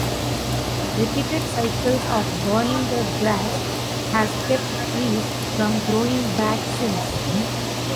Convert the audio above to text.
Repeated cycles of burning the grass have kept trees from growing back since.